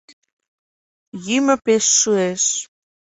Йӱмӧ пеш шуэш.